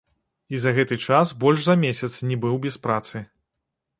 І за гэты час больш за месяц не быў без працы.